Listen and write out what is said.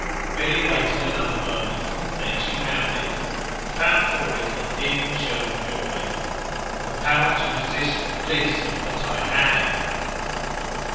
Milly waited another moment; then she found it, and found for it a dim show of joy. "The power to resist the bliss of what I HAVE!"